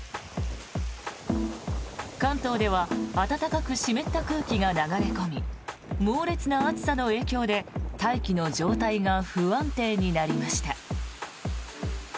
関東では暖かく湿った空気が流れ込み猛烈な暑さの影響で大気の状態が不安定になりました。